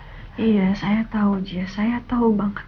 iya saya tahu jess saya tahu banget